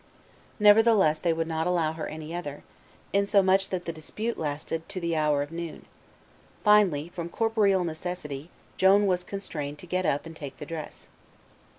Nevertheless they would not allow her any other; insomuch that the dispute lasted to the hour of noon. Finally, from corporeal necessity, Joan was constrained to get up and take the dress."